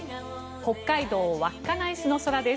北海道稚内市の空です。